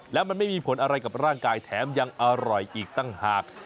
แล้วมันไม่มีผลอะไรกับร่างกายแถมยังอร่อยอีกต่างหาก